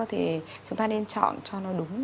thì chúng ta nên chọn cho nó đúng